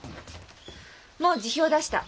もう辞表出した。